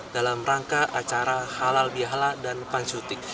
dalam rangka acara halal bihala dan pansutik